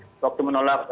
dan saat ini kami menolak